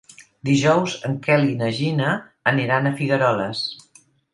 Dijous en Quel i na Gina aniran a Figueroles.